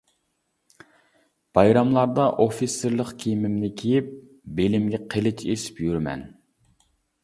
بايراملاردا ئوفىتسېرلىق كىيىمىمنى كىيىپ، بېلىمگە قىلىچ ئېسىپ يۈرىمەن.